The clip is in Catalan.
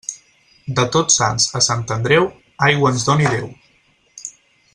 De Tots Sants a Sant Andreu, aigua ens doni Déu.